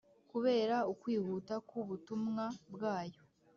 kubera ukwihuta kw’ubutumwa bwayo,